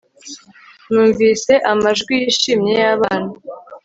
Numvise amajwi yishimye yabana